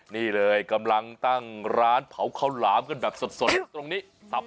นี่เลยกำลังตั้งร้านเผาข้าวหลามกันแบบสดตรงนี้